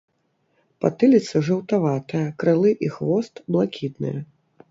Патыліца жаўтаватая, крылы і хвост блакітныя.